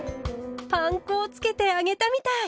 パン粉をつけて揚げたみたい！